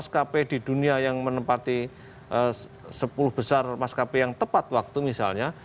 mas kp di dunia yang menempati sepuluh besar maskapai yang tepat waktu misalnya